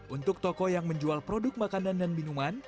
untuk toko yang menjual produk makanan dan minuman